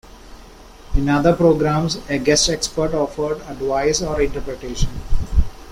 In other programs, a guest expert offered advice or interpretation.